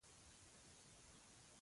پارکونه روزنه او پالنه غواړي.